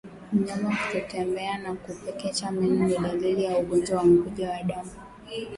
Mnyama kutotembea na kupekecha meno ni dalili ya ugonjwa wa mkojo damu